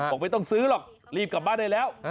บอกไม่ต้องซื้อหรอกรีบกลับบ้านได้แล้ว